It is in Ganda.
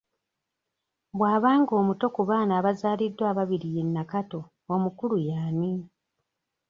Bw'aba nga omuto ku baana abazaaliddwa ababiri ye Nakato omukulu y'ani?